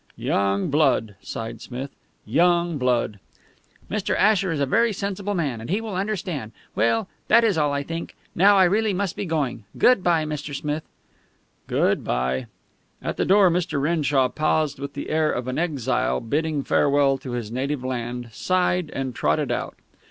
"Young blood!" sighed Smith. "Young blood!" "Mr. Asher is a very sensible man, and he will understand. Well, that is all, I think. Now, I really must be going. Good by, Mr. Smith." "Good by." At the door Mr. Renshaw paused with the air of an exile bidding farewell to his native land, sighed and trotted out.